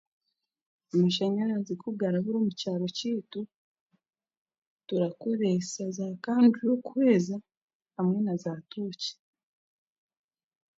Amashanyarazi kugarabura omu kyaro kyaitu, turakoresa za kanduro kuhweza hamwe naaza tooki